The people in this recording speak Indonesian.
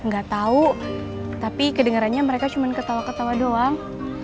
gak tau tapi kedengerannya mereka cuma ketawa ketawa doang